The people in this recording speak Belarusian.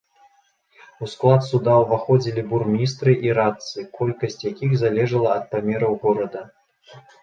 У склад суда ўваходзілі бурмістры і радцы, колькасць якіх залежала ад памераў горада.